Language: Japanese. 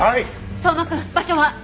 相馬くん場所は？